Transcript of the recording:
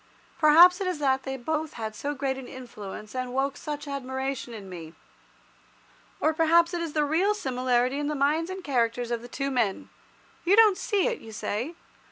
Perhaps it is that they both had so great an influence, and woke such admiration in me. Or perhaps it is the real similarity in the minds and characters of the two men. You don't see it, you say?